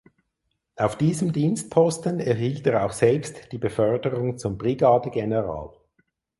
Auf diesem Dienstposten erhielt er auch selbst die Beförderung zum Brigadegeneral.